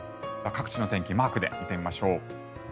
各地の天気マークで見てみましょう。